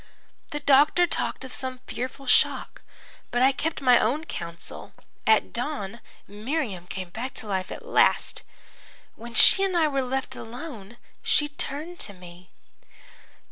"The doctor talked of some fearful shock, but I kept my own counsel. At dawn Miriam came back to life at last. When she and I were left alone, she turned to me.